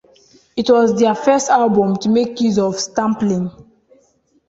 It was their first album to make use of sampling.